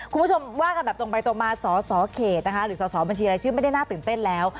คุณผู้ชมว่าแบบตรงไปตรงมาสสเขตหรือสสบชไม่ได้น่าตื่นเต้นแล้ว